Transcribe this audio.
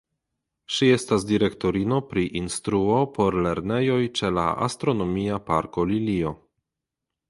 Ŝi estas direktorino pri instruo por lernejoj ĉe la Astronomia Parko Lilio.